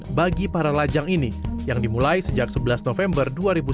hari belanja online bagi para lajang ini yang dimulai sejak sebelas november dua ribu sembilan